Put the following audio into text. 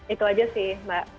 itu aja sih mbak